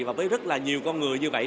và với rất là nhiều con người như vậy